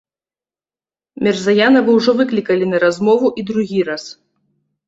Мірзаянава ўжо выклікалі на размову і другі раз.